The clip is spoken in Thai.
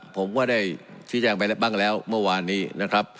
ผมว่าได้สิ้นแจ้งไปบ้างแล้วเมื่อวานนี้นะครับ